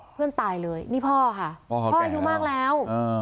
เพื่อนตายเลยนี่พ่อค่ะพ่ออายุมากแล้ว